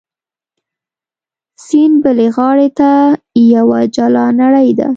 سیند بلې غاړې ته یوه جلا نړۍ ده.